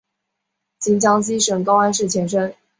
今江西省高安市前身。